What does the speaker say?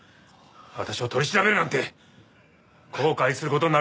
私を取り調べるなんて後悔する事になるよ。